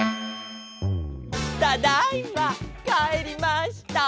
ただいまかえりました！